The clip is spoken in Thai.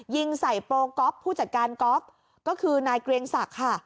ยิงใส่โปรก๊อฟผู้จัดการก๊อฟก็คือนายเกรียงศักดิ์ค่ะ